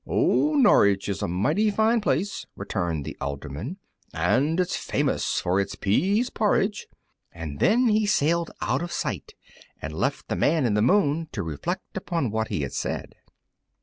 "Oh, Norwich is a mighty fine place," returned the alderman, "and it's famous for its pease porridge;" and then he sailed out of sight and left the Man in the Moon to reflect upon what he had said.